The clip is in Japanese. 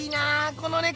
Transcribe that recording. この猫。